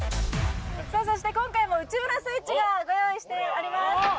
さあそして今回も内村スイッチがご用意してあります